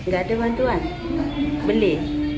gak ada bantuan beli